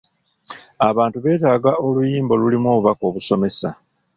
Abantu beetaaga oluyimba olulimu obubaka obusomesa.